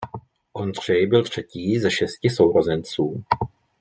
Ondřej byl třetí ze šesti sourozenců.